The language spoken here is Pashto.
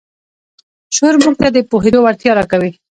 شعور موږ ته د پوهېدو وړتیا راکوي.